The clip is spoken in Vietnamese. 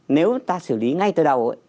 nếu ta xử lý ngay từ đầu